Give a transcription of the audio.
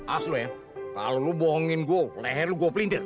aslo ya kalo lu bohongin gua leher lu gua pelintir